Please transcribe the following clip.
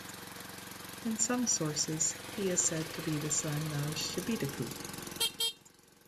In some sources he is said to be the son of Shebitku.